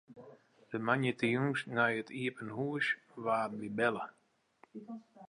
De moandeitejûns nei it iepen hús waarden wy belle.